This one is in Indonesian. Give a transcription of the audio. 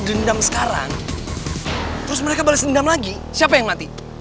dendam sekarang terus mereka balas dendam lagi siapa yang mati